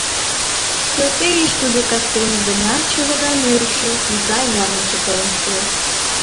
Келтейыш тудо кастене гына чыве гай нӧрышӧ, пий гай ярныше толын шуо.